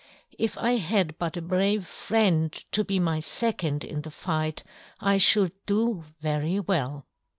If I had but a brave friend to be my second in the fight I should do very well."